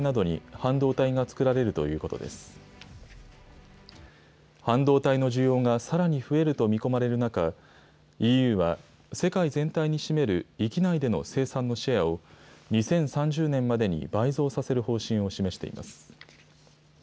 半導体の需要がさらに増えると見込まれる中、ＥＵは世界全体に占める域内での生産のシェアを２０３０年までに倍増させる方針を示しています。